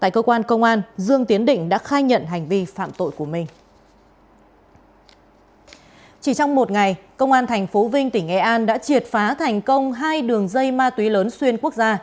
công an tp vinh tỉnh e an đã triệt phá thành công hai đường dây ma túy lớn xuyên quốc gia